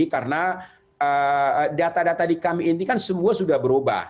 karena data data di kami ini kan semua sudah berubah